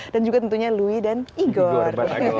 dan juga tentunya louis dan igor